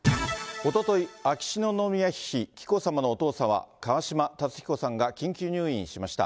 おととい、秋篠宮妃紀子さまのお父様、川嶋辰彦さんが緊急入院しました。